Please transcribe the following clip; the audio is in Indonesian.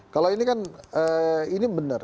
kalau ini kan ini benar